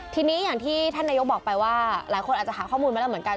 ทีนี้อย่างที่ท่านนายกบอกไปว่าหลายคนอาจจะหาข้อมูลมาแล้วเหมือนกัน